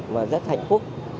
và rất hạnh phúc